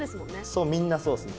そうみんなそうっすね。